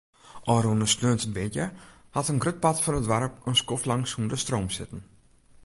Ofrûne sneontemiddei hat in grut part fan it doarp in skoftlang sûnder stroom sitten.